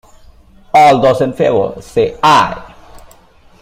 All those in favour, say Aye.